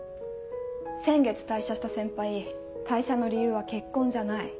先月退社した先輩退社の理由は結婚じゃない。